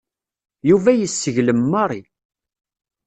Yuba yesseglem Mary.